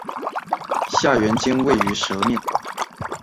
下原尖位于舌面。